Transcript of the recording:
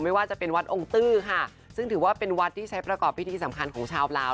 ไม่ว่าจะเป็นวัดองค์ตื้อค่ะซึ่งถือว่าเป็นวัดที่ใช้ประกอบพิธีสำคัญของชาวลาว